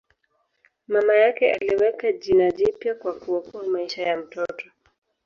Mama yake aliweka jina jipya kwa kuokoa maisha ya mtoto.